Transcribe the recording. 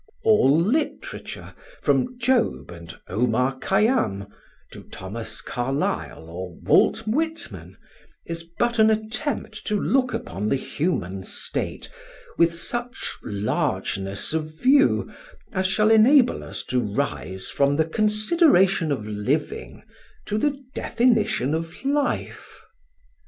All literature, from Job and Omar Khayyam to Thomas Carlyle or Walt Whitman, is but an attempt to look upon the human state with such largeness of view as shall enable us to rise from the consideration of living to the Definition of Life.